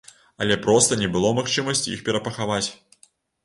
Але проста не было магчымасці іх перапахаваць.